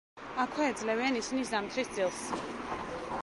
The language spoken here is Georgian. აქვე ეძლევიან ისინი ზამთრის ძილს.